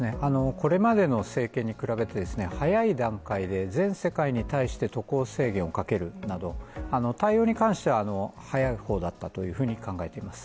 これまでの政権に比べてですね早い段階で全世界に対して渡航制限をかけるなど対応に関しては早い方だったというふうに考えています